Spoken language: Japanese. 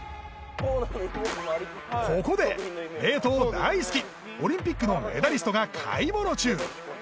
ここで冷凍大好きオリンピックのメダリストが買い物中